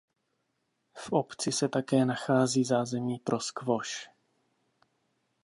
V obci se také nachází zázemí pro squash.